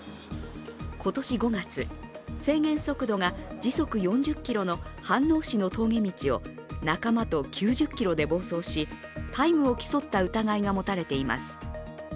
今年５月、制限速度が時速４０キロの飯能市の峠道を仲間と９０キロで暴走し、タイムを競った疑いが持たれています。